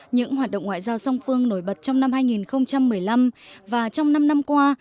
những hoạt động ngoại giao song phương nổi bật trong năm hai nghìn một mươi năm và trong năm năm qua